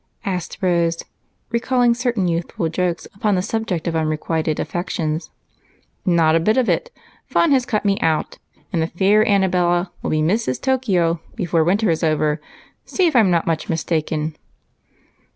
asked Rose, recalling certain youthful jokes upon the subject of unrequited affections. "Not a bit of it. Fun has cut me out, and the fair Annabella will be Mrs. Tokio before the winter is over if I'm not much mistaken."